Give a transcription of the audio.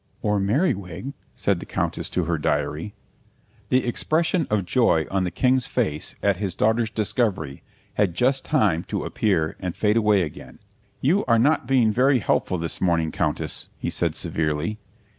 '" "Or 'Merriwig,'" said the Countess to her diary. The expression of joy on the King's face at his daughter's discovery had just time to appear and fade away again. "You are not being very helpful this morning, Countess," he said severely.